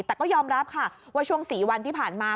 แต่ก็ยอมรับค่ะว่าช่วง๔วันที่ผ่านมา